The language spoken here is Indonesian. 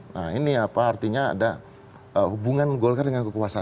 nah ini apa artinya ada hubungan golkar dengan kekuasaan